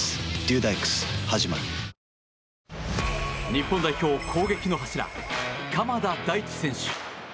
日本代表攻撃の柱鎌田大地選手。